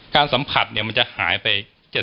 การสัมผัสเนี่ยมันจะหายไป๗๐